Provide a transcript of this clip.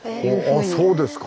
あそうですか。